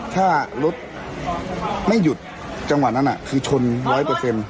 ถ้ารถไม่หยุดจังหวะนั้นคือชนร้อยเปอร์เซ็นต์